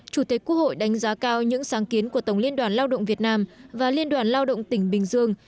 chủ tịch quốc hội đánh giá cao những sáng kiến của tổng liên đoàn lao động việt nam và liên đoàn lao động tỉnh bình dương